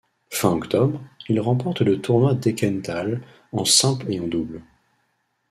Fin octobre, il remporte le tournoi d'Eckental en simple et en double.